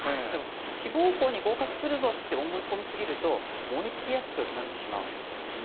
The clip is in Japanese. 志望校に合格するぞって思い込みすぎると燃え尽きやすくなってしまうんです。